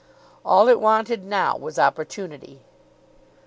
All it wanted now was opportunity.